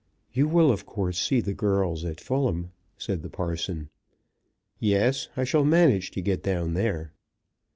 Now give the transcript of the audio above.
"You will of course see the girls at Fulham," said the parson. "Yes; I shall manage to get down there."